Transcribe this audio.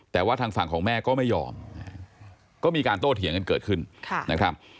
แต่ว่าทางฝั่งของแม่ก็ไม่ยอมก็มีการโต้เถียงกันเกิดขึ้นนะครับ